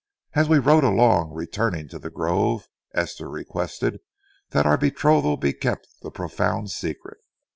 As we rode along, returning to the grove, Esther requested that our betrothal be kept a profound secret.